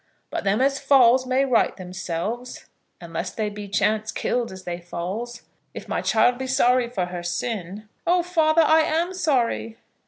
"But them as falls may right themselves, unless they be chance killed as they falls. If my child be sorry for her sin " "Oh, father, I am sorry."